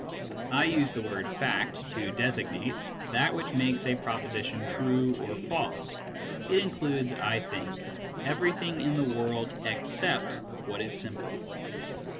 (I use the word " fact " to designate that which makes a proposition true or false ; it includes, I think, everything in the world except what is simple.)